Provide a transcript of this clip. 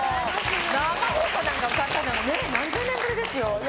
生放送で歌ったのなんか何十年ぶりですよ。